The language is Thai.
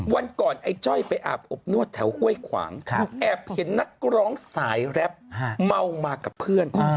วันก่อนไอ้จ้อยไปอาบอบนวดแถวห้วยขวางแอบเห็นนักร้องสายแรปเมามากับเพื่อน